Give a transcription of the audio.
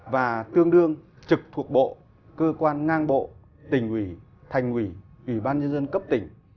và tương đương trực thuộc bộ cơ quan ngang bộ tỉnh ủy thành ủy ủy ban nhân dân cấp tỉnh